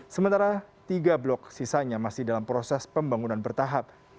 sementara tiga blok sisanya masih dalam proses pembangunan bertahap